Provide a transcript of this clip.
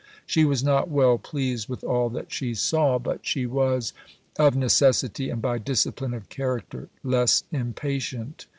She was not well pleased with all that she saw, but she was, of necessity and by discipline of character, less impatient.